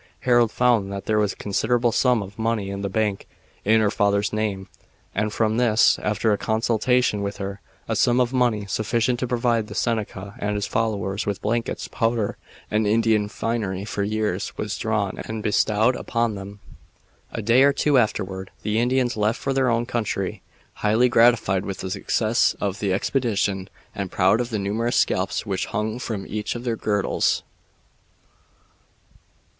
Harold found that there was a considerable sum of money in the bank in her father's name, and from this, after a consultation with her, a sum of money sufficient to provide the Seneca and his followers with blankets, powder, and Indian finery for years was drawn and bestowed upon them. A day or two afterward the Indians left for their own country, highly gratified with the success of the expedition and proud of the numerous scalps which hung from each of their girdles.